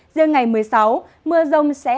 giữa ngày một mươi sáu mưa rông sẽ